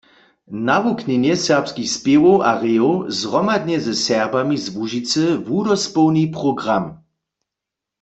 Nawuknjenje serbskich spěwow a rejow zhromadnje ze Serbami z Łužicy wudospołni program.